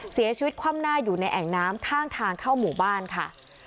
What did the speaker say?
คว่ำหน้าอยู่ในแอ่งน้ำข้างทางเข้าหมู่บ้านค่ะ